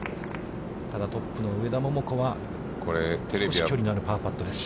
ただ、トップの上田桃子は、少し距離のあるパーパットです。